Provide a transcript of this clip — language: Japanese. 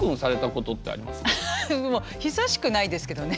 久しくないですけどね。